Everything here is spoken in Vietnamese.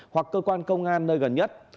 hoặc cơ quan công an nơi gần nhất